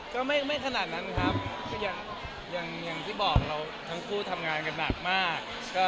ก็ไม่ขนาดนั้นครับก็อย่างที่บอกเราทั้งคู่ทำงานกันหนักมาก